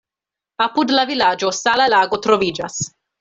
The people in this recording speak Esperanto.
Apud la vilaĝo sala lago troviĝas.